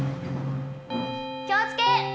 気を付け！